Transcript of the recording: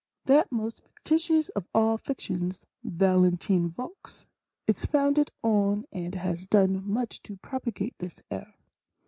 That. most fictitious of all fictions, "Valentine Vox," is founded on, and has done much to propagate this error.